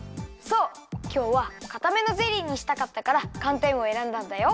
きょうはかためのゼリーにしたかったからかんてんをえらんだんだよ。